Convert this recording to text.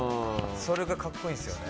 それがかっこいいんですよね。